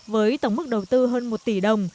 với tổng mức đầu tư hơn một tỷ đồng